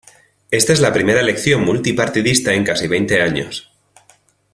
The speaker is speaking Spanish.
Esta es la primera elección multipartidista en casi veinte años.